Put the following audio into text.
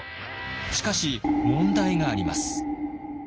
しかし問題があります。